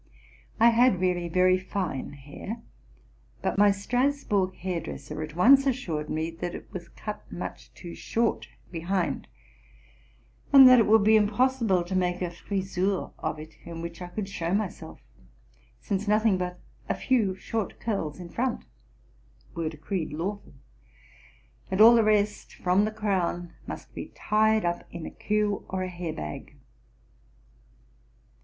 I had really very fine hair; but my Strasburg hair dresser at once assured me that it was cut much too short behind, and that it would be impossible to make a frizure of it in which 1 could show myself, since nothing but a few short curls in front were decreed lawful; and all the rest, from the crown, must be tied up in a cue or a haizr bag.